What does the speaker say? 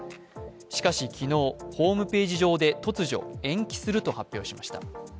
しかし昨日、ホームページ上で突如、延期すると発表しました。